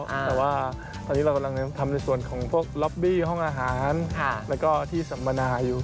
แต่ว่าตอนนี้เรากำลังทำในส่วนของพวกล็อบบี้ห้องอาหารแล้วก็ที่สัมมนาอยู่